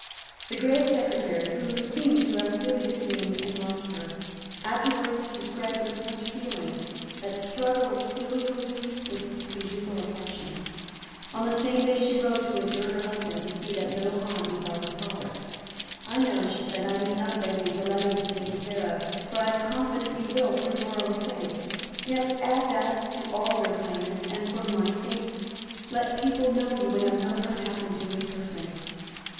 The grave Secretary, who seems to have really esteemed and loved her, afterwards described with much feeling that struggle of filial duty with conjugal affection. On the same day she wrote to adjure her husband to see that no harm befell her father. "I know," she said, "I need not beg you to let him be taken care of; for I am confident you will for your own sake; yet add that to all your kindness; and, for my sake, let people know you would have no hurt happen to his person."